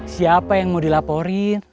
siapa yang mau dilaporin